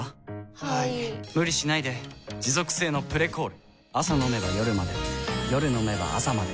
はい・・・無理しないで持続性の「プレコール」朝飲めば夜まで夜飲めば朝まで